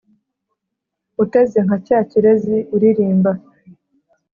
uteze nka cya kirezi uriirimba